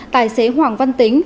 tài xế hoàng văn tính